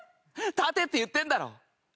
立てって言ってんだろ！